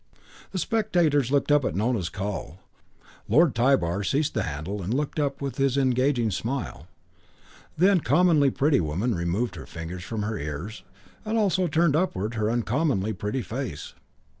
The spectators looked up at Nona's call; Lord Tybar ceased the handle and looked up with his engaging smile; the uncommonly pretty woman removed her fingers from her ears and also turned upwards her uncommonly pretty face.